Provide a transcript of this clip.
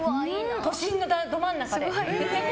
都心のど真ん中で。